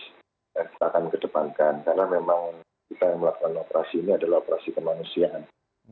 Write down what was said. kita akan kedepankan karena memang kita yang melakukan operasi ini adalah operasi kemanusiaan